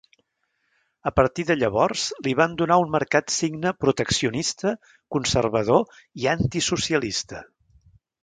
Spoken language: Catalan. A partir de llavors li van donar un marcat signe proteccionista, conservador i antisocialista.